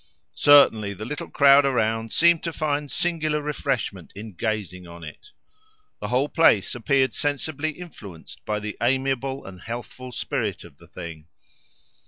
Certainly the little crowd around seemed to find singular refreshment in gazing on it. The whole place appeared sensibly influenced by the amiable and healthful spirit of the thing.